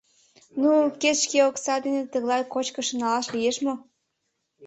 Ну, кеч шке окса дене тыглай кочкышым налаш лиеш мо?